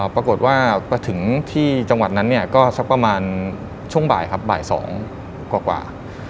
ปรากฏว่าพอถึงที่จังหวัดนั้นก็สักประมาณช่วงบ่าย๒กว่า